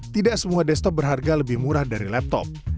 tidak semua desktop berharga lebih murah dari laptop